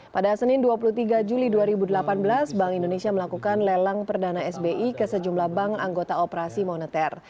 pada senin dua puluh tiga juli dua ribu delapan belas bank indonesia melakukan lelang perdana sbi ke sejumlah bank anggota operasi moneter